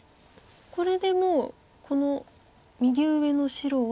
これでもうこの右上の白は。